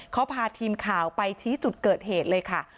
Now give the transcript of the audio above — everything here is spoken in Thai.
เขาพาทีมข่าวไปชี้จุดเกิดเหตุเลยค่ะ